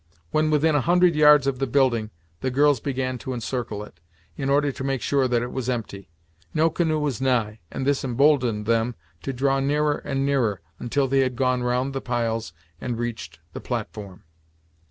When within a hundred yards of the building the girls began to encircle it, in order to make sure that it was empty. No canoe was nigh, and this emboldened them to draw nearer and nearer, until they had gone round the piles and reached the platform.